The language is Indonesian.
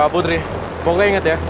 putri pokoknya inget ya